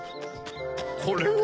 これは！